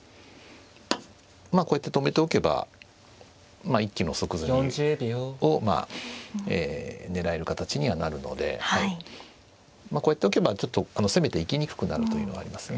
まあこうやって止めておけば一気の即詰みを狙える形にはなるのでこうやっておけばちょっと攻めていきにくくなるというのはありますね。